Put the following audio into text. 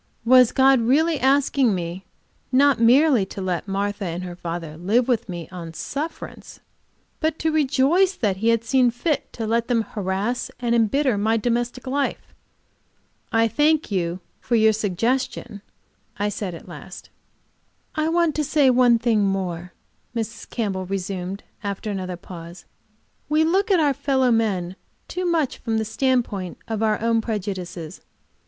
Was God really asking me not merely to let Martha and her father live with me on sufferance, but to rejoice that He had seen fit to let them harass and embitter my domestic life? "I thank you for the suggestion," I said, at last. "I want to say one thing more," Mrs. Campbell resumed, after another pause. "We look at our fellow men too much from the standpoint of our own prejudices.